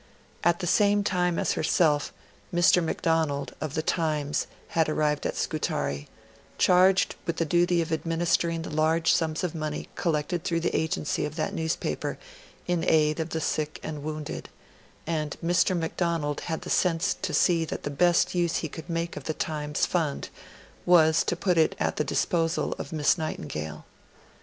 At the same time as herself, Mr. Macdonald, of The Times, had arrived at Scutari, charged with the duty of administering the large sums of money collected through the agency of that newspaper in aid of the sick and wounded; and Mr. Macdonald had the sense to see that the best use he could make of The Times Fund was to put it at the disposal of Miss Nightingale.